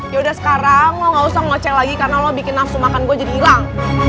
yaudah sekarang lu gak usah ngocek lagi karena lu bikin nafsu makan gua jadi hilang